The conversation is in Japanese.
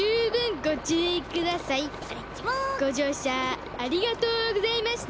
ごじょうしゃありがとうございました。